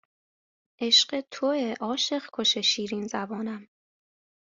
عشق توئه عاشق کش شیرین زبانم